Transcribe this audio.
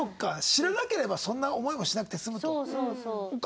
知らなければそんな思いもしなくて済むと。